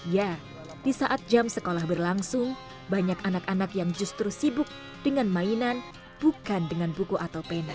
ya di saat jam sekolah berlangsung banyak anak anak yang justru sibuk dengan mainan bukan dengan buku atau pena